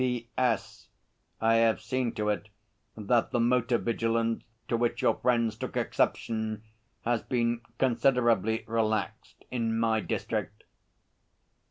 P.S. I have seen to it that the motor vigilance to which your friends took exception has been considerably relaxed in my district.